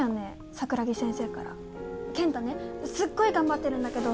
桜木先生から健太ねすっごい頑張ってるんだけど